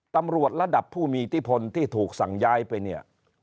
ตำรวจระดับผู้มีอิทธิพลที่ถูกสั่งย้ายไปเนี่ย